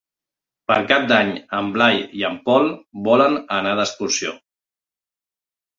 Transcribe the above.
Per Cap d'Any en Blai i en Pol volen anar d'excursió.